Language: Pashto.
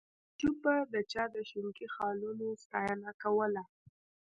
تعجب به د چا د شینکي خالونو ستاینه کوله